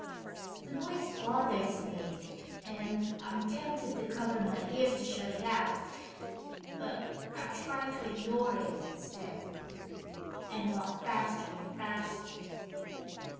The noise bothers me and I'm tempted to cover my ears to shut it out, but I try to ignore it, instead, and walk faster and faster.